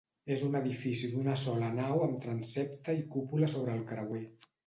És un edifici d'una sola nau amb transsepte i cúpula sobre el creuer.